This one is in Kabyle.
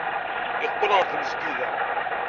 Yeqqel ɣer tmesgida.